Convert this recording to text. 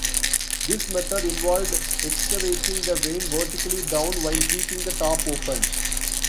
This method involved excavating the vein vertically down while keeping the top open.